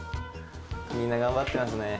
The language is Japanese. みんな頑張ってますね。